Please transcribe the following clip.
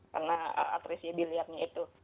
karena atresia biliarnya itu